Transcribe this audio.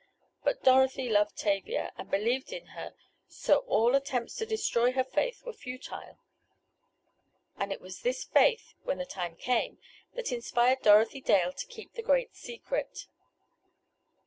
But Dorothy loved Tavia, and believed in her, so all attempts to destroy her faith were futile. And it was this faith, when the time came, that inspired Dorothy Dale to keep the Great Secret.